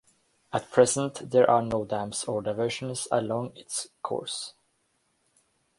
At present there are no dams or diversions along its course.